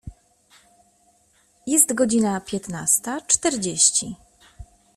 Jest godzina piętnasta czterdzieści.